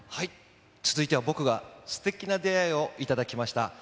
続いては、僕がすてきな出会いを頂きました。